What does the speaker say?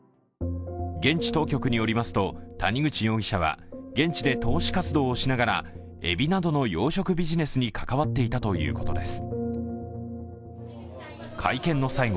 現地当局によりますと谷口容疑者は現地で投資活動をしながらえびなどの養殖ビジネスに関わっていたということです。